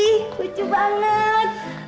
ihh lucu banget